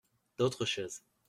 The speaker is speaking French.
D’autres chaises.